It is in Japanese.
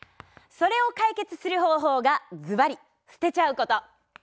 それを解決する方法がズバリすてちゃうこと。